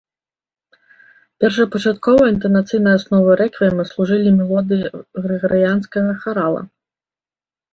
Першапачаткова інтанацыйнай асновай рэквіема служылі мелодыі грыгарыянскага харала.